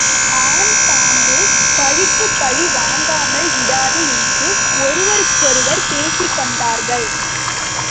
ஆண் பாம்பு பழிக்குப் பழி வாங்காமல் விடாது என்று ஒருவருக்கொருவர் பேசிக்கொண்டார்கள்.